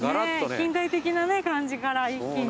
近代的な感じから一気に。